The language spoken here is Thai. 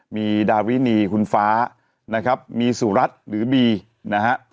มีดาวินีคุณฟ้านะครับมีสุรัตน์หรือบีนะฮะ